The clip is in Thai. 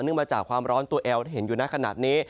มาจากความร้อนตัวแอลที่เห็นอยู่ในขณะนี้